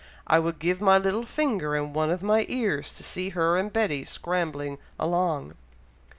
"I would give my little finger, and one of my ears, to see her and Betty scrambling along!"